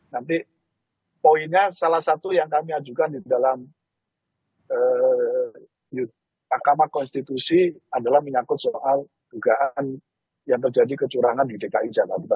nanti poinnya salah satu yang kami ajukan di dalam mahkamah konstitusi adalah menyangkut soal dugaan yang terjadi kecurangan di dki jakarta